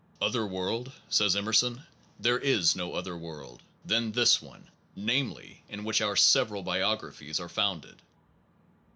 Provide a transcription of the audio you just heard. Other world? says Emerson, there is no other world, than this one, namely, in which our several biographies are founded.